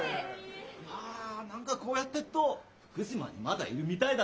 あ何かこうやってっと福島にまだいるみたいだないハハハ。